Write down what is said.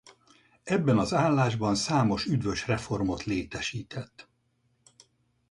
Ebben az állásban számos üdvös reformot létesített.